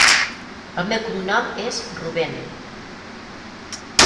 El meu cognom és Rubén.